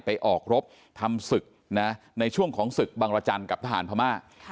ไปออกรบทำศึกนะในช่วงของศึกบังรจันทร์กับทหารพม่า